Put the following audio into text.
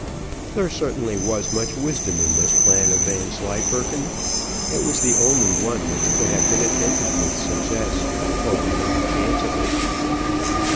There certainly was much wisdom in this plan of Vanslyperken, it was the only one which could have been attended with success, or with any chance of it.